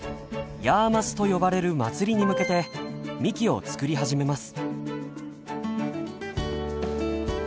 ヤーマスと呼ばれる祭りに向けてみきを作り始めます。